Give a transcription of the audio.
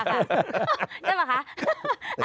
ได้ไหมคะ